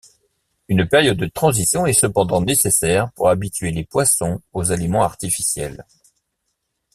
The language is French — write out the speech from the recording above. Une période de transition est cependant nécessaire pour habituer les poissons aux aliments artificiels.